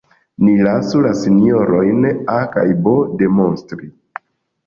Ni lasu la sinjorojn A kaj B demonstri.